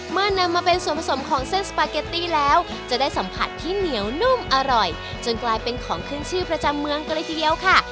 นำมาเป็นส่วนผสมของเส้นสปาเกตตี้แล้วจะได้สัมผัสที่เหนียวนุ่มอร่อยจนกลายเป็นของขึ้นชื่อประจำเมืองกันเลยทีเดียวค่ะ